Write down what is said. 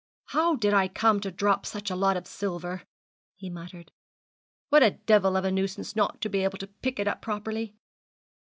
'How did I come to drop such a lot of silver?' he muttered; 'what a devil of a nuisance not to be able to pick it up properly?'